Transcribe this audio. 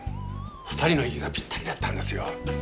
２人の息がぴったりだったんですよ。